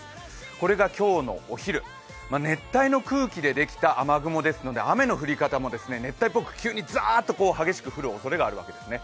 これが今日のお昼、熱帯の空気でできた雨雲でうすので雨の降り方も熱帯っぽく、急にざーっと激しく降るおそれがあるんですね。